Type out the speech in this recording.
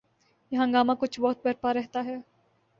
یہ ہنگامہ کچھ وقت برپا رہتا ہے۔